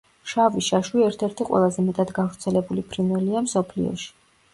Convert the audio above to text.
შავი შაშვი ერთ-ერთი ყველაზე მეტად გავრცელებული ფრინველია მსოფლიოში.